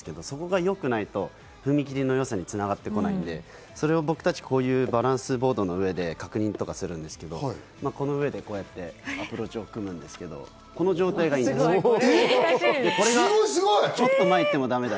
そこが良くないと、踏み切りの良さに繋がってこないので、僕たちはこういうバランスボードの上で確認とかするんですけど、この上でこうやって形を組むんですけど、この状態がいいんですよ。